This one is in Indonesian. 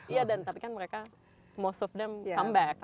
iya dan tapi kan mereka most of them come back